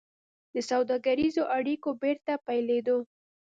د سوداګريزو اړيکو د بېرته پيلېدو